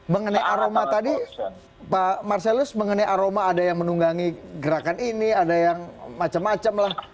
mengenai aroma tadi pak marcelus mengenai aroma ada yang menunggangi gerakan ini ada yang macam macam lah